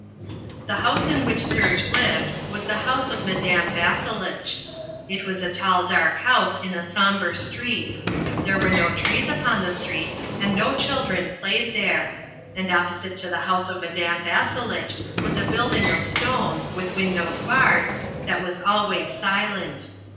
The house in which Serge lived was the house of Madame Vasselitch. It was a tall dark house in a sombre street. There were no trees upon the street and no children played there. And opposite to the house of Madame Vasselitch was a building of stone, with windows barred, that was always silent.